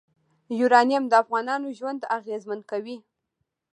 یورانیم د افغانانو ژوند اغېزمن کوي.